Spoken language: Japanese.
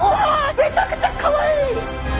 めちゃくちゃかわいい！